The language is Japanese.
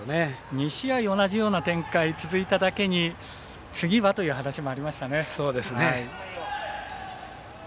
２試合同じような展開続いただけに次はという話もありましたね。